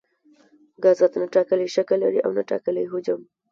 ګازات نه ټاکلی شکل لري او نه ټاکلی حجم.